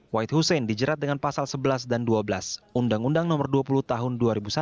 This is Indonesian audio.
wahid hussein dijerat dengan pasal sebelas dan dua belas undang undang nomor dua puluh tahun dua ribu satu